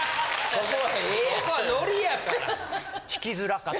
そこはノリやから。